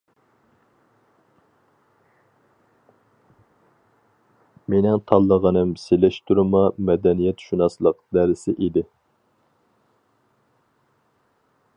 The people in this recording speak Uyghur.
مېنىڭ تاللىغىنىم «سېلىشتۇرما مەدەنىيەتشۇناسلىق» دەرسى ئىدى.